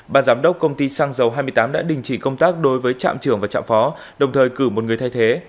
bà giám đốc công ty xăng dầu hai mươi tám đã đình chỉ công tác đối với trạm trưởng và trạm phó đồng thời cử một người thay thế